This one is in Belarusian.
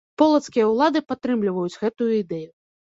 Полацкія ўлады падтрымліваюць гэтую ідэю.